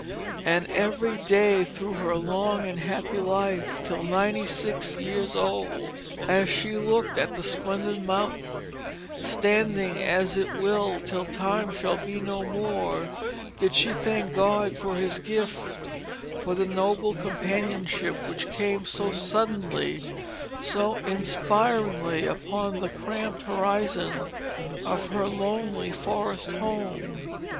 And every day through her long and happy life till ninety six years old, as she looked at the splendid mountain, standing as it will till time shall be no more, did she thank God for His gift, for that noble companionship which came so suddenly, so inspiringly, upon the cramped horizon of her lonely forest home.